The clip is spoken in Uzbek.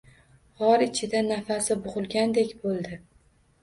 G`or ichida nafasi bo`g`ilgandek bo`ldi